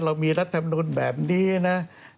เรามีรัฐมนุนแบบนี้นะ